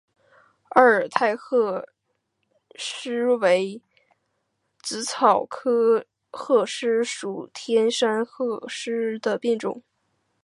阿尔泰鹤虱为紫草科鹤虱属天山鹤虱的变种。